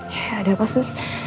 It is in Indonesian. ya ada apa sus